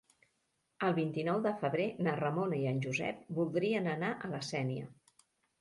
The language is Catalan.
El vint-i-nou de febrer na Ramona i en Josep voldrien anar a la Sénia.